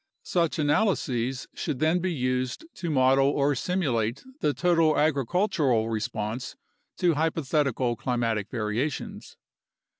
Such analyses should then be used to model or simulate the total agricultural response to hypothetical climatic variations.